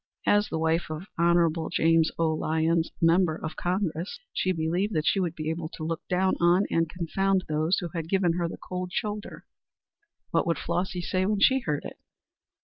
As the wife of Hon. James O. Lyons, Member of Congress, she believed that she would be able to look down on and confound those who had given her the cold shoulder. What would Flossy say when she heard it?